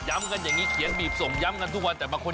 ย้ำกันอย่างนี้เขียนบีบส่งย้ำกันทุกวัน